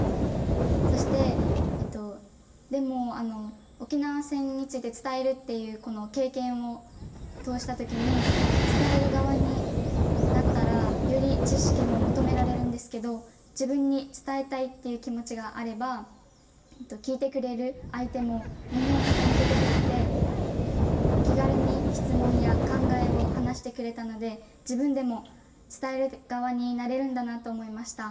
そして、でも、沖縄戦について伝えるっていう、この経験を通したときに、伝える側になったら、より知識も求められるんですけど、自分に伝えたいっていう気持ちがあれば、聞いてくれる相手も耳を傾けてくれて、気軽に質問や考えを話してくれたので、自分でも伝える側になれるんだなと思いました。